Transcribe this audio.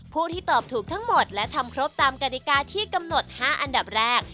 ผู้ที่ตอบถูกทั้งหมดและทำครบตามกฎิกาที่กำหนด๕อันดับแรก